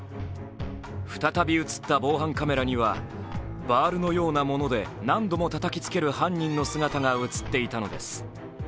再び映った防犯カメラにはバールのようなもので何度もたたきつける犯人の姿が映っていたのです。